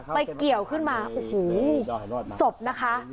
เกี่ยวขึ้นมาโอ้โหศพนะคะ